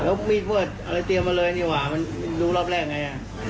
อ่าแล้วมีเวิร์ดอะไรเตรียมมาเลยนี่หวะมันรู้รอบแรกยังไง